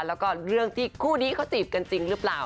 แล้วก็เรื่องที่คู่นี้เขาจีบกันจริงหรือเปล่า